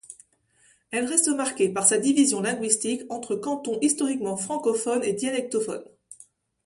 Elle reste marquée par sa division linguistique entre cantons historiquement francophones et dialectophones.